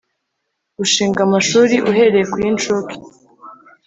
Gushinga amashuri uhereye ku y incuke